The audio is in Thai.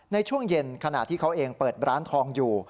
ในช่วงเย็นขณะที่เขาเองเปิดร้านทองอยู่